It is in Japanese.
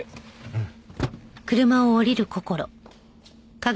うん。